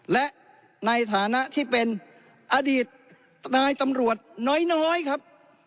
และในฐานะที่เป็นอดีตนายตำรวจน้อยครับ